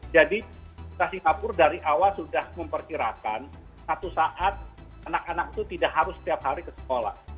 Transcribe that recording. jadi singapura dari awal sudah memperkirakan satu saat anak anak itu tidak harus setiap hari ke sekolah